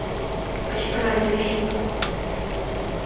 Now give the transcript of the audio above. — кычкыра ямщик.